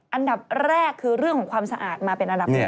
อันดับแรกคือเรื่องของความสะอาดมาเป็นอันดับหนึ่ง